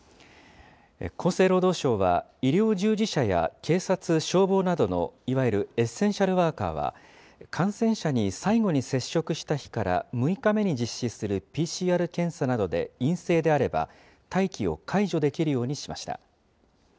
厚生労働省は、医療従事者や警察・消防などのいわゆるエッセンシャルワーカーは、感染者に最後に接触した日から６日目に実施するＰＣＲ検査などで陰性であれば、待機を解除できるようにしました。